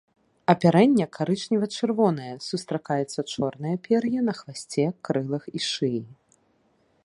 Апярэнне карычнева-чырвонае, сустракаецца чорнае пер'е на хвасце, крылах і шыі.